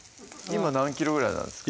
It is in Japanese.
今何ｋｇぐらいなんですか？